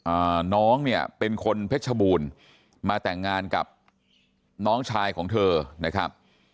อ่าน้องเนี่ยเป็นคนเพชรบูรณ์มาแต่งงานกับน้องชายของเธอนะครับ